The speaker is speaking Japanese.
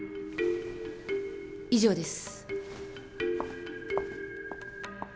以上です。